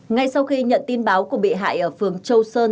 ngay sau khi nhận tin báo của bị hại ở phường châu sơn